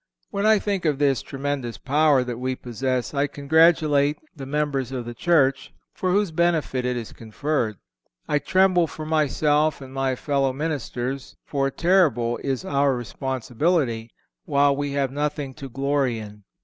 When I think of this tremendous power that we possess I congratulate the members of the Church, for whose benefit it is conferred; I tremble for myself and my fellow ministers, for terrible is our responsibility, while we have nothing to glory in.